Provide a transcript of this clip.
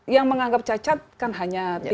yang menganggap cacat kan hanya tiga puluh